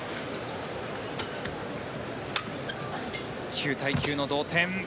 ９対９の同点。